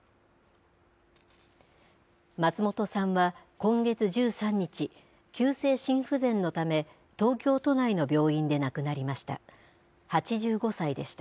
松本さんは、今月１３日、急性心不全のため、東京都内の病院で亡くなりました。